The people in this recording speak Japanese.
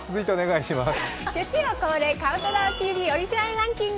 月曜恒例「ＣＤＴＶ」オリジナルランキング